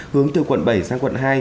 hướng từ quận bảy sang quận hai